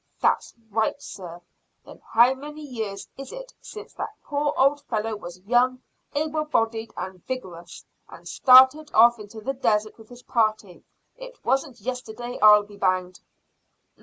"That's right, sir. Then how many years is it since that poor old fellow was young, able bodied, and vigorous, and started off into the desert with his party? It wasn't yesterday, I'll be bound."